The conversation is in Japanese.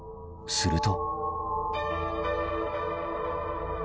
すると。